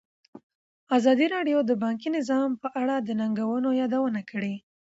ازادي راډیو د بانکي نظام په اړه د ننګونو یادونه کړې.